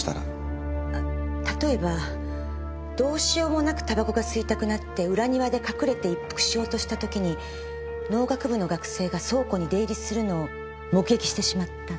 例えばどうしようもなく煙草が吸いたくなって裏庭で隠れて一服しようとした時に農学部の学生が倉庫に出入りするのを目撃してしまった。